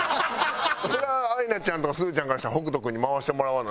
それはアイナちゃんとかすずちゃんからしたら北斗君に回してもらわななあ？